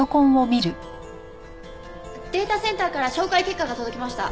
データセンターから照会結果が届きました。